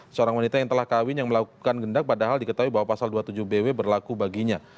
seorang wanita yang telah kawin yang melakukan gendak padahal diketahui bahwa pasal dua puluh tujuh bw berlaku baginya